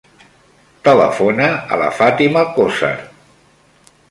Telefona a la Fàtima Cozar.